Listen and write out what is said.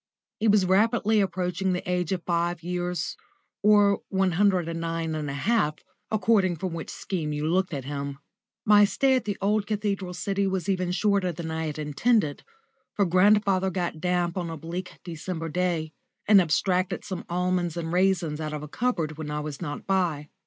He was rapidly approaching the age of five years or one hundred and nine and a half, according from which Scheme you looked at him. My stay at the old cathedral city was even shorter than I had intended, for grandfather got damp on a bleak December day, and abstracted some almonds and raisins out of a cupboard when I was not by.